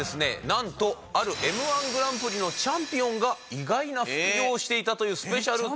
なんとあるＭ−１グランプリのチャンピオンが意外な副業をしていたというスペシャルとなってます。